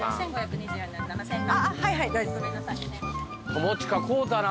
友近買うたな。